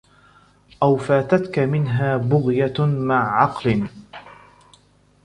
أَوْ فَاتَتْك مِنْهَا بُغْيَةٌ مَعَ عَقْلٍ